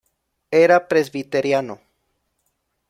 Era presbiteriano.